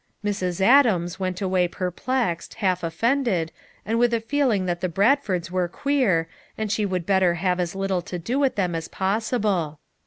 Mrs. Adams went away perplexed, half offended, and with a feeling that the Brad fords were queer, and she would better have as little to do with them as possible.